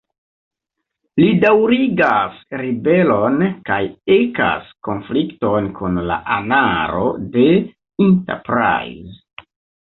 Li daŭrigas ribelon kaj ekas konflikton kun la anaro de "Enterprise".